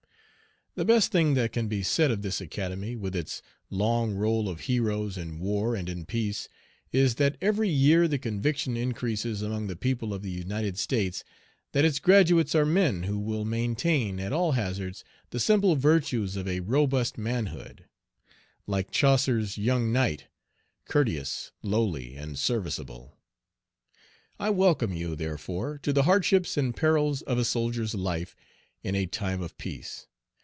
The best thing that can be said of this Academy, with its long roll of heroes in war and in peace, is, that every year the conviction increases among the people of the United States, that its graduates are men who will maintain, at all hazards, the simple virtues of a robust manhood like Chaucer's young Knight, courteous, lowly, and serviceable. I welcome you, therefore, to the hardships and perils of a soldier's life in a time of peace.